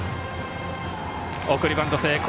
送りバント成功。